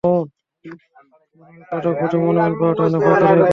আমার কাছে মনে হয়, পাঠক ভোটে মনোনয়ন পাওয়াটা অনেক ভাগ্যের ব্যাপার।